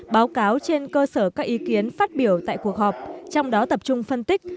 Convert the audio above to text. báo cáo trên cơ sở các ý kiến phát biểu tại cuộc họp trong đó tập trung phân tích